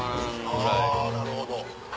あぁなるほど。